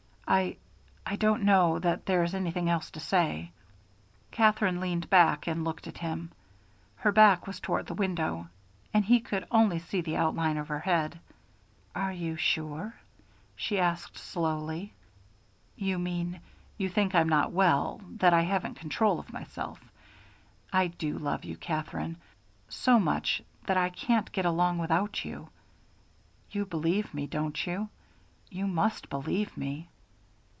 I I don't know that there is anything else to say." Katherine leaned back and looked at him. Her back was toward the window, and he could see only the outline of her head. "Are you sure?" she asked slowly. "You mean you think I'm not well, that I haven't control of myself I do love you, Katherine, so much that I can't get along without you. You believe me, don't you? You must believe me!"